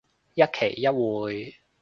一期一會